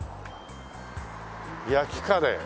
焼きカレー。